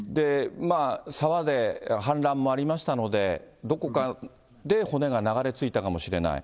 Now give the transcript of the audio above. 沢で氾濫もありましたので、どこかで骨が流れ着いたかもしれない。